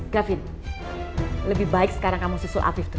gavin lebih baik sekarang kamu susul api tuh